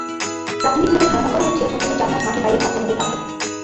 প্রাথমিকভাবে ধারণা করা হচ্ছে, অন্তত চার মাস মাঠের বাইরে থাকতে হবে তাঁকে।